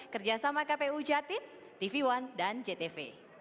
kerjasama kpu jatim tv one dan jtv